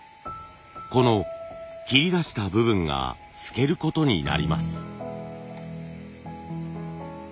この切り出した部分が透けることになります。